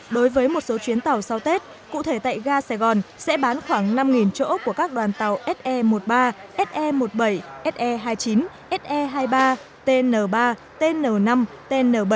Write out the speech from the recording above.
đối với một số chuyến tàu sau tết cụ thể tại ga sài gòn sẽ bán khoảng năm chỗ của các đoàn tàu se một mươi ba se một mươi bảy se hai mươi chín se hai mươi ba tn ba tn năm tn bảy